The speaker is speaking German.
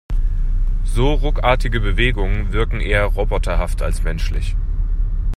So ruckartige Bewegungen wirken eher roboterhaft als menschlich.